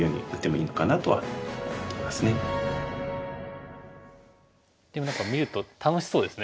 だったらでも何か見ると楽しそうですね。